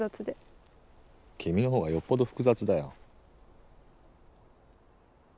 君の方がよっぽど複雑だよ。